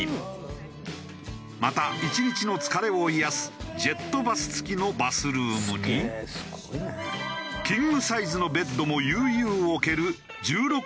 また１日の疲れを癒やすジェットバス付きのバスルームにキングサイズのベッドも悠々置ける１６畳の寝室。